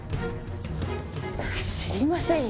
知りませんよ。